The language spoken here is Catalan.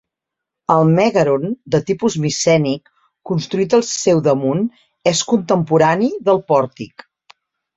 El mègaron de tipus micènic, construït al seu damunt, és contemporani del pòrtic.